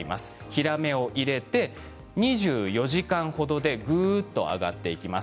ヒラメを入れて２４時間程でぐっと上がっていきます。